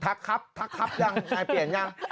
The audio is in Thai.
ครับทักครับยังนายเปลี่ยนยัง